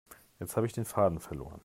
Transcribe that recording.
Jetzt habe ich den Faden verloren.